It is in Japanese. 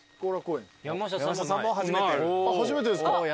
初めてですか。